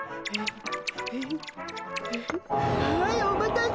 はいお待たせ。